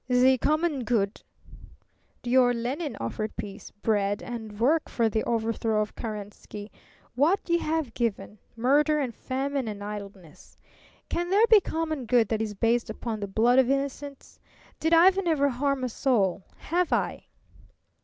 "The common good." "Your Lenine offered peace, bread, and work for the overthrow of Kerensky. What you have given murder and famine and idleness. Can there be common good that is based upon the blood of innocents? Did Ivan ever harm a soul? Have I?"